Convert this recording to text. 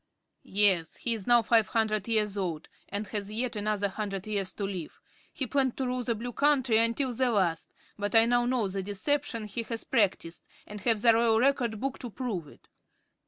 "Yes; he is now five hundred years old, and has yet another hundred years to live. He planned to rule the Blue Country until the last, but I now know the deception he has practiced and have the Royal Record Book to prove it.